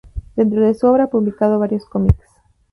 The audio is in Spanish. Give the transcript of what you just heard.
Dentro de su obra, ha publicado varios comics.